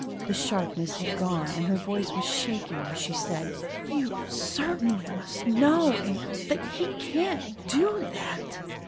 The sharpness had gone and her voice was shaking as she said: "You certainly must know, Ann, that he can't do that."